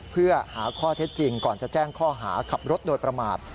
เพื่อหาข้อเท็จจริงก่อนจะแจ้งข้อหาขับรถโดยประมาท